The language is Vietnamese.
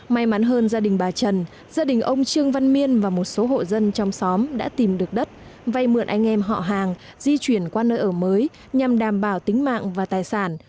may mắn hơn gia đình bà trần gia đình ông trương văn miên và một số hộ dân trong xóm đã tìm được đất vay mượn anh em họ hàng di chuyển qua nơi ở mới nhằm đảm bảo tính mạng và tài sản